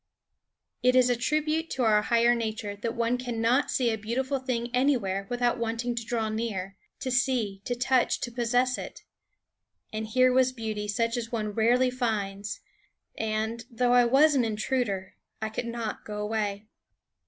It is a tribute to our higher nature that one cannot see a beautiful thing anywhere without wanting to draw near, to see, to touch, to possess it. And here was beauty such as one rarely finds, and, though I was an intruder, I could not go away.